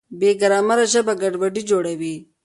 بې ګرامره ژبه ګډوډي جوړوي.